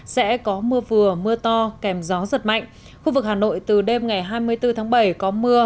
sẽ có mưa vừa mưa to kèm gió giật mạnh khu vực hà nội từ đêm ngày hai mươi bốn tháng bảy có mưa